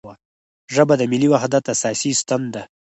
ژبه د ملي وحدت اساسي ستن ده